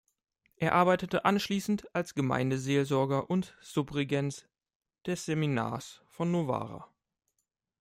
Er arbeitete anschließend als Gemeindeseelsorger und Subregens des Seminars von Novara.